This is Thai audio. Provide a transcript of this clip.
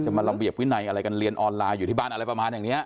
มาระเบียบวินัยอะไรกันเรียนออนไลน์อยู่ที่บ้านอะไรประมาณอย่างนี้